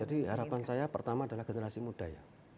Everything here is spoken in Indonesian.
jadi harapan saya pertama adalah generasi muda ya